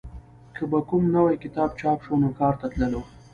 که به کوم نوی کتاب چاپ شو نو ښار ته تللو